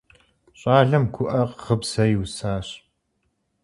Щӏалэм гуӏэ гъыбзэ иусащ.